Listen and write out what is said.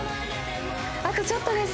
あとちょっとです。